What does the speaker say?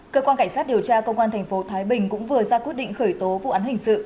cơ quan cảnh sát điều tra công an tp thái bình cũng vừa ra quyết định khởi tố vụ án hình sự